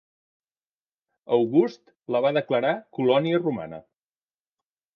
August la va declarar colònia romana.